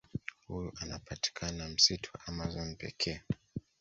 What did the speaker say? Huyu anapatikana msitu wa amazon pekee